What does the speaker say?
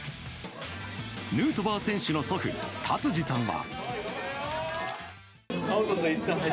ヌートバー選手の祖父達治さんは。